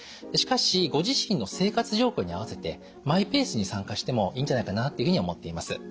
しかしご自身の生活状況に合わせてマイペースに参加してもいいんじゃないかなっていうふうに思っています。